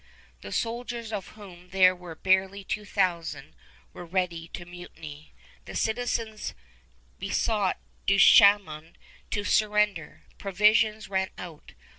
The soldiers, of whom there were barely two thousand, were ready to mutiny. The citizens besought Duchambon to surrender. Provisions ran out.